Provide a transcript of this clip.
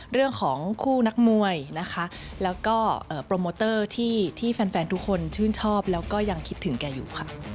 เรื่องของคู่นักมวยนะคะแล้วก็โปรโมเตอร์ที่แฟนทุกคนชื่นชอบแล้วก็ยังคิดถึงแกอยู่ค่ะ